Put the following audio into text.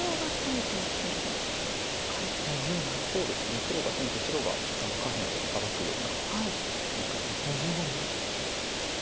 黒が攻めて白が下辺をサバくような展開です。